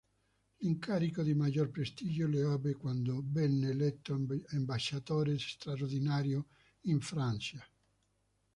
L'incarico di maggior prestigio lo ebbe quando venne eletto ambasciatore straordinario in Francia.